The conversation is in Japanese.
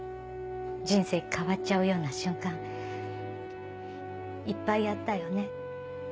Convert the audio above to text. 人生変わっちゃうような瞬間いっぱいあったよね。